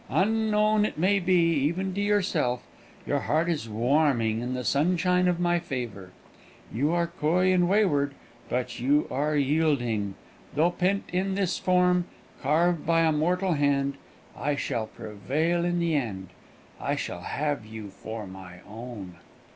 Unknown it may be, even to yourself, your heart is warming in the sunshine of my favour; you are coy and wayward, but you are yielding. Though pent in this form, carved by a mortal hand, I shall prevail in the end. I shall have you for my own."